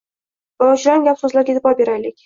Yo‘lovchilarning gap-so‘zlariga e’tibor beraylik.